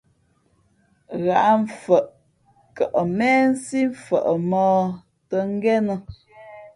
Ghǎʼmfαʼ kαʼ méhsí mfαʼ mᾱᾱ tᾱ ngénᾱ.